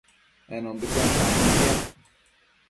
en umbitsen tannu piac